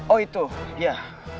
oh itu ya